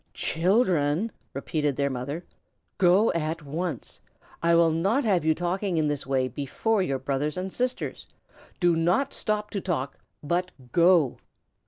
"Children!" repeated their mother. "Go at once. I will not have you talking in this way before your brothers and sisters. Do not stop to talk, but go!"